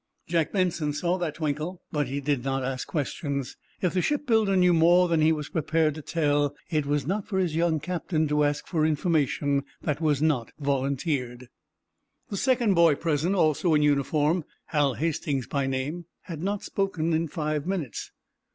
Jack Benson saw that twinkle, but he did not ask questions. If the shipbuilder knew more than he was prepared to tell, it was not for his young captain to ask for information that was not volunteered. The second boy present, also in uniform, Hal Hastings by name, had not spoken in five minutes.